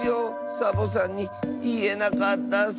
サボさんにいえなかったッス。